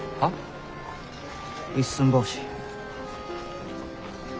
「一寸法師」。